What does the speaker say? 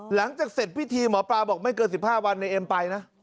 อ๋อหลังจากเสร็จพิธีหมอปลาบอกไม่เกินสิบห้าวันในเอ็มไปนะอ๋อ